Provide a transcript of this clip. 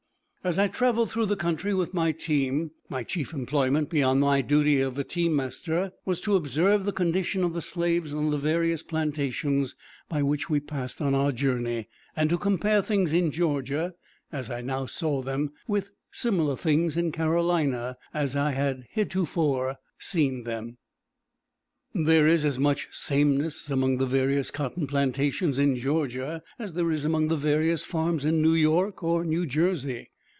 As I traveled through the country with my team, my chief employment, beyond my duty of a teamster, was to observe the condition of the slaves on the various plantations by which we passed on our journey, and to compare things in Georgia, as I now saw them, with similar things in Carolina, as I had heretofore seen them. There is as much sameness among the various cotton plantations in Georgia, as there is among the various farms in New York or New Jersey.